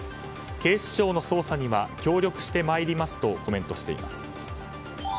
警視庁の捜査には協力してまいりますとコメントしています。